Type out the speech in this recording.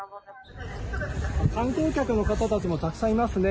観光客の方たちもたくさんいますね。